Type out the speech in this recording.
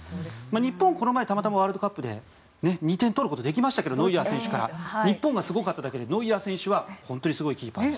日本、この前たまたま、ワールドカップでノイアー選手から２点取ることができましたが日本がすごかっただけでノイアー選手は本当にすごいゴールキーパーです。